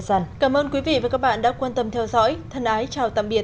xin cảm ơn quý vị và các bạn đã quan tâm theo dõi thân ái chào tạm biệt